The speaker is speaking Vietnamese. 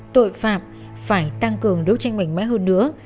tội phạm phải tăng cường đấu tranh mạnh mẽ hơn nữa